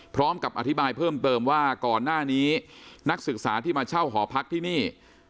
พร้อมกับอธิบายเพิ่มเติมว่าก่อนหน้านี้นักศึกษาที่มาเช่าหอพักที่นี่